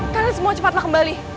kalian semua cepatlah kembali